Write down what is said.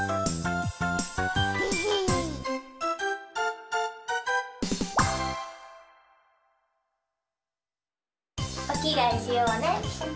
でへへおきがえしようね。